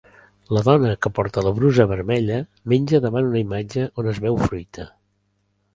La dona que porta la brusa vermella menja davant una imatge on es veu fruita.